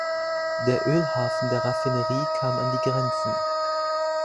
Der Ölhafen der Raffinerie kam an die Grenzen.